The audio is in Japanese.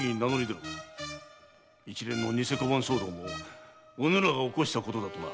一連の偽小判騒動もうぬらが起こしたことだとな。